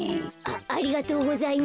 ありがとうございます。